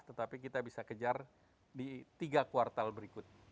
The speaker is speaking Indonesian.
tetapi kita bisa kejar di tiga kuartal berikut